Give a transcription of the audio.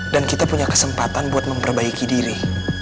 dan kita punya kesempatan buat memperbaiki diri